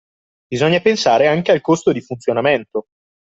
Bisogna pensare anche al costo di funzionamento.